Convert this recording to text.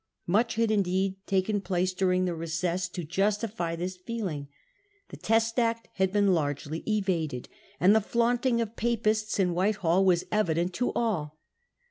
Much had indeed taken place during the recess to justify Causes 3 f this feeling. The Test Act had been largely fnFftrU?* eva ^ e< i> anc * the ' flaunting of Papists* in White ment. hall was evident to all.